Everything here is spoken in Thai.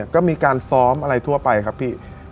ก็มีการซ้อมอะไรทั่วไปครับพี่